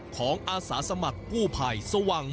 ของอาสาสมัครกู้ภัยสว่างมงติ